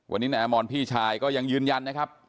วันนี้นายอมรพี่ชายก็ยังยืนยันนะครับ